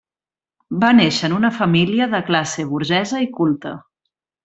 Va néixer en una família de classe burgesa i culta.